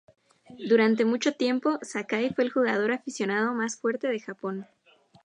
Durante mucho tiempo Sakai fue el jugador aficionado más fuerte de Japón.